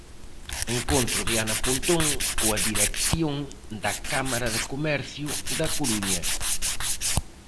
Encontro de Ana Pontón coa dirección da Cámara de Comercio da Coruña.